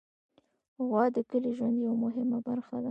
غوا د کلي ژوند یوه مهمه برخه ده.